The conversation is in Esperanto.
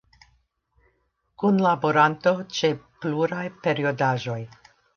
Kunlaboranto ĉe pluraj periodaĵoj.